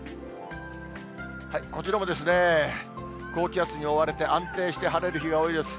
こちらもですね、高気圧に覆われて、安定して晴れる日が多いです。